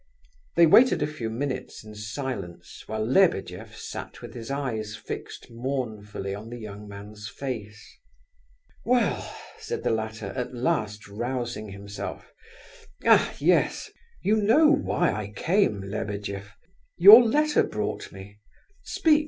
They waited a few minutes in silence, while Lebedeff sat with his eyes fixed mournfully on the young man's face. "Well!" said the latter, at last rousing himself. "Ah! yes! You know why I came, Lebedeff. Your letter brought me. Speak!